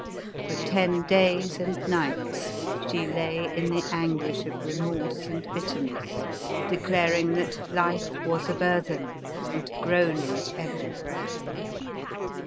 For ten days and nights she lay in the anguish of remorse and bitterness, declaring that life was a burthen, and groaning at every breath.